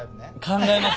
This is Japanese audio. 考えます。